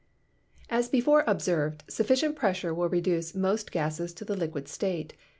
As before observed, sufficient pressure will reduce most gases to the liquid state.